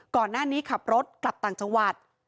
ก่อนหน้านี้ขับรถกลับต่างจังหวัด